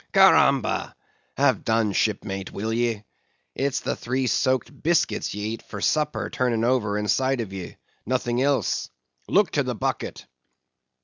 "Caramba! have done, shipmate, will ye? It's the three soaked biscuits ye eat for supper turning over inside of ye—nothing else. Look to the bucket!"